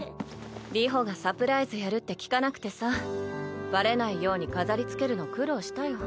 ⁉流星がサプライズやるって聞かなくてさバレないように飾りつけるの苦労したよ。